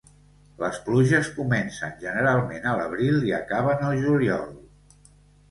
Les pluges comencen generalment a l'abril i acaben al juliol.